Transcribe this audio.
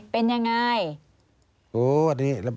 เป็นยังไง